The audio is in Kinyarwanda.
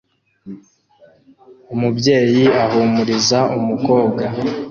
Umubyeyi ahumuriza umukobwa